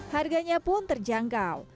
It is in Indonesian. harganya pun terjangkau